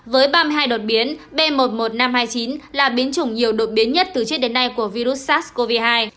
với ba mươi hai đột biến b một mươi một nghìn năm trăm hai mươi chín là biến chủng nhiều đột biến nhất từ trước đến nay của virus sars cov hai